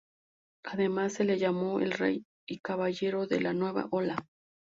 Además se le llamo el Rey y Caballero de la Nueva Ola.